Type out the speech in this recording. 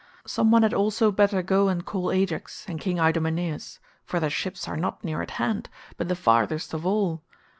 Some one had also better go and call Ajax and King Idomeneus, for their ships are not near at hand but the farthest of all.